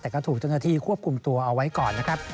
แต่ก็ถูกเจ้าหน้าที่ควบคุมตัวเอาไว้ก่อนนะครับ